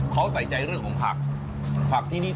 เขาใส่ใจเรื่องของผัก